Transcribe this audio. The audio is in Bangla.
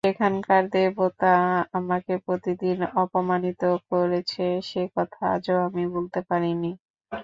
সেখানকার দেবতা আমাকে প্রতিদিন অপমানিত করেছে সে কথা আজও আমি ভুলতে পারি নে।